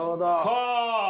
はあ。